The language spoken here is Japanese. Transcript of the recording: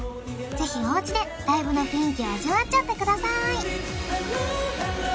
ぜひおうちでライブの雰囲気を味わっちゃってください